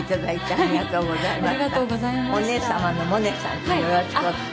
ありがとうございます。